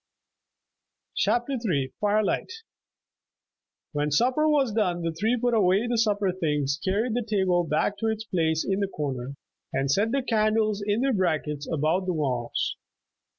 CHAPTER III FIRELIGHT When supper was done the three put away the supper things, carried the table back to its place in the corner, and set the candles in their brackets about the walls.